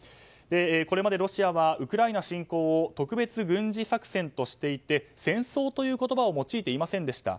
これまでロシアはウクライナ侵攻を特別軍事作戦としていて戦争という言葉を用いていませんでした。